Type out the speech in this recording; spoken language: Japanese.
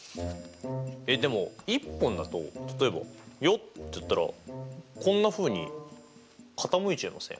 えっでも１本だと例えば「よっ！」ってやったらこんなふうに傾いちゃいません？